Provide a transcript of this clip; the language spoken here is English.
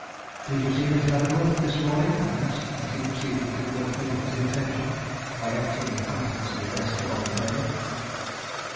"Did you see Miss Leavenworth this morning?" I asked, as he proceeded to fulfil his intention by emptying the contents of the desk upon the table.